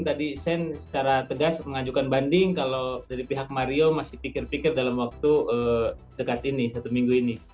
tadi shane secara tegas mengajukan banding kalau dari pihak mario masih pikir pikir dalam waktu dekat ini satu minggu ini